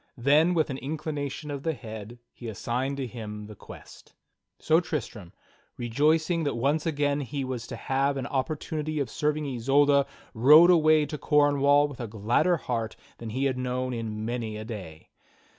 Then, with an inclination of the head, he assigned to him the quest. So Tristram, rejoicing that once again he was to have an opportunity of serving Isolda, rode away to Cornwall with a gladder heart than he had known in many a day.